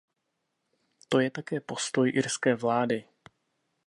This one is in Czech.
To je také postoj irské vlády.